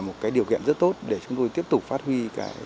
một cái điều kiện rất tốt để chúng tôi tiếp tục phát huy